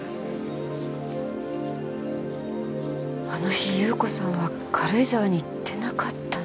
あの日優子さんは軽井沢に行ってなかったんじゃ。